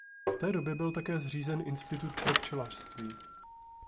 V té době byl také zřízen Institut pro včelařství.